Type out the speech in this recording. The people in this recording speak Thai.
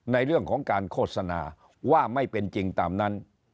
ในเรื่องของการโฆษณาว่าไม่เป็นจริงตามนั้น